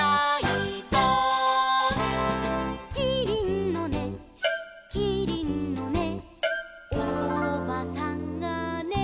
「キリンのねキリンのねおばさんがね」